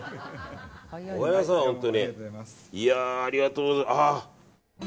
ありがとうございます。